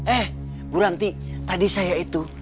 eh buranti tadi saya itu